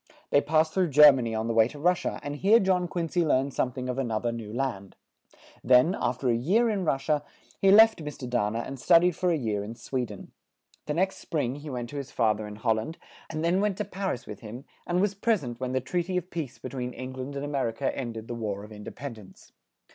They passed through Ger ma ny on the way to Rus sia, and here John Quin cy learned some thing of an oth er new land. Then, af ter a year in Rus sia, he left Mr. Da na and stud ied for a year in Swe den. The next spring he went to his fa ther in Hol land, and then went to Par is with him, and was pres ent when the trea ty of peace be tween Eng land and A mer i ca end ed the War of In de pend ence.